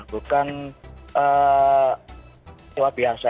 bukan sewa biasa